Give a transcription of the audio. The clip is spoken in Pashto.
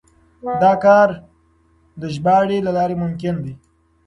دا کار د ژباړې له لارې ممکن دی.